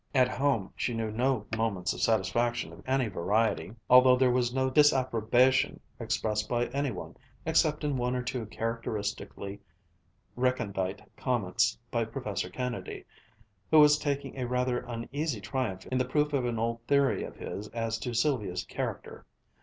At home she knew no moments of satisfaction of any variety, although there was no disapprobation expressed by any one, except in one or two characteristically recondite comments by Professor Kennedy, who was taking a rather uneasy triumph in the proof of an old theory of his as to Sylvia's character.